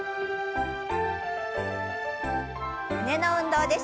胸の運動です。